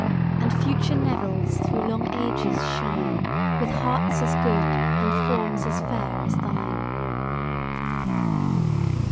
And future Nevills through long ages shine, With hearts as good, and forms as fair as thine!